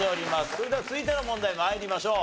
それでは続いての問題参りましょう。